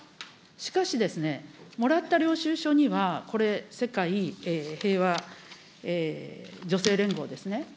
しかしですね、もらった領収書にはこれ、世界平和女性連合ですね。